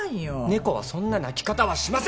猫はそんな鳴き方はしません！